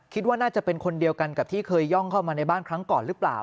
คิดว่าน่าจะเป็นคนเดียวกันกับที่เคยย่องเข้ามาในบ้านครั้งก่อนหรือเปล่า